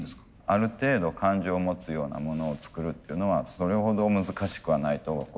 ある程度感情を持つようなものを作るっていうのはそれほど難しくはないと僕は思ってます。